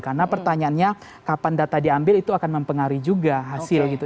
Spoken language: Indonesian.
karena pertanyaannya kapan data diambil itu akan mempengaruhi juga hasil gitu